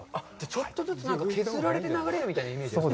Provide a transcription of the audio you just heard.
ちょっとずつ、削られて流れるみたいなイメージですか。